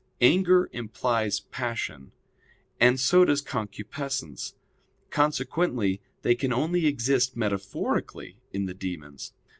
Anger implies passion, and so does concupiscence; consequently they can only exist metaphorically in the demons.